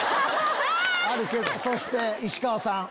そして石川さん。